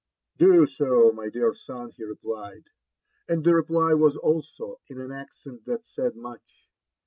" Do so, my dear son," he replied ; and the r^ply was ^llso In ad accent that said much.